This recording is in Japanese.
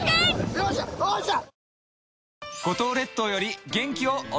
よっしゃよっしゃ！